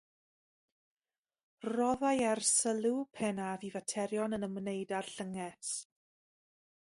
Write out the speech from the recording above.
Rhoddai ei sylw pennaf i faterion yn ymwneud â'r llynges.